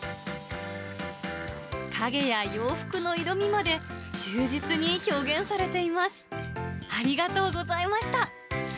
影や洋服の色味まで忠実に表現されています。